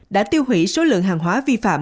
đã tiêu hủy số lượng hàng hóa vi phạm